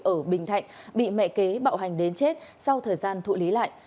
ở bình thạnh bị mẹ kế bạo hành đến chết sau thời gian thụ lý lại